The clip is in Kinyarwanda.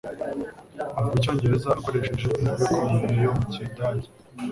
Avuga Icyongereza akoresheje imvugo ikomeye yo mu kidage.